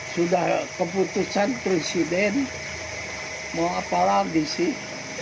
sudah keputusan presiden mau apa lagi sih